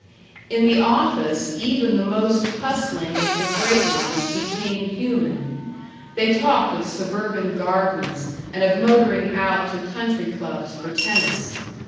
In the office even the most hustling of the great ones became human. They talked of suburban gardens and of motoring out to country clubs for tennis.